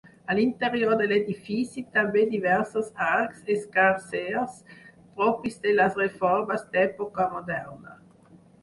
A l'interior de l'edifici també diversos arcs escarsers, propis de les reformes d'època moderna.